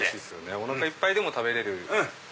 おなかいっぱいでも食べれる。